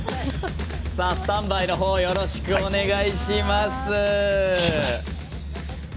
スタンバイのほうよろしくお願いします。